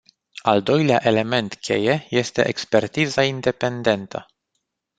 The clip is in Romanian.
Al doilea element cheie este "expertiza independentă”.